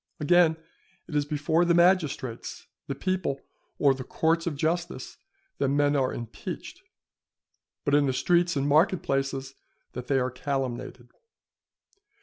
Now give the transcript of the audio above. Again, it is before the magistrates, the people, or the courts of justice that men are impeached; but in the streets and market places that they are calumniated.